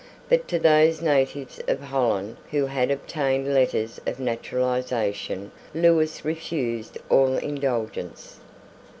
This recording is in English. But to those natives of Holland who had obtained letters of naturalisation Lewis refused all indulgence.